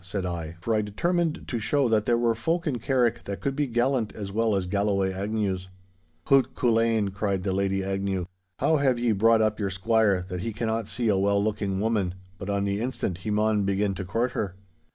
said I, for I determined to show that there were folk in Carrick that could be gallant as well as Galloway Agnews. 'Hoot, Culzean,' cried the Lady Agnew, 'how have ye brought up your squire, that he cannot see a well looking woman, but on the instant he maun begin to court her?